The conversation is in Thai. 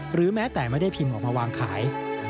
หรือแม้แต่ไม่ได้พิมพ์ออกมาวางขาย